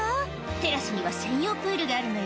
「テラスには専用プールがあるのよ」